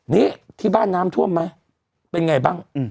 นี่ที่บ้านน้ำท่วมไหมเป็นไงบ้าง